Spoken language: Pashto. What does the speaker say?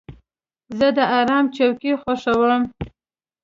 زه د آرام څوکۍ خوښوم.